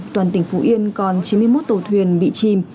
toàn tỉnh phú yên còn chín mươi một tàu thuyền bị chìm